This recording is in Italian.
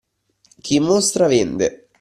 Chi mostra vende.